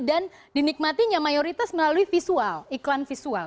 dan dinikmatinya mayoritas melalui visual iklan visual